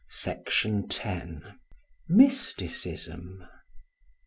Section 10. Mysticism.